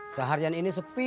seharian ini sepi